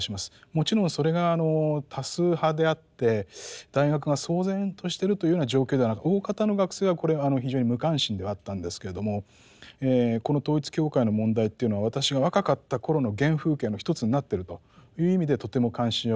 もちろんそれが多数派であって大学が騒然としてるというような状況ではなく大方の学生はこれ非常に無関心ではあったんですけれどもこの統一教会の問題っていうのは私が若かった頃の原風景の一つになってるという意味でとても関心を持っております。